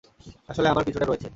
আসলে, আমার কিছুটা রয়েছে।